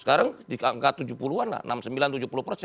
sekarang di angka tujuh puluh an lah